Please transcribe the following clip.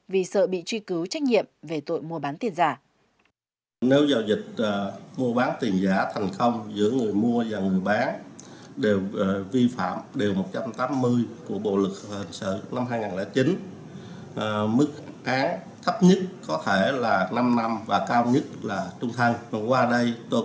vì sợ bị truy cứu trách nhiệm về tội mua bán tiền giả